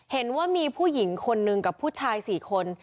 เห็นว่ามีผู้หญิงคนนึงกับผู้ชาย๔คน